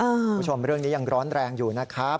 คุณผู้ชมเรื่องนี้ยังร้อนแรงอยู่นะครับ